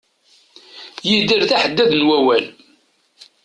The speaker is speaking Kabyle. Yidir d aḥeddad n wawal.